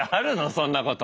そんなこと。